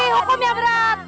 hukum yang berat